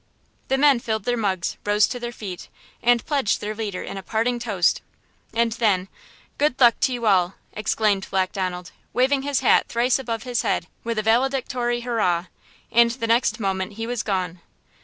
The men filled their mugs, rose to their feet, and pledged their leader in a parting toast and then: "Good luck to you all!" exclaimed Black Donald, waving his hat thrice above his head with a valedictory hurrah. And the next moment he was gone!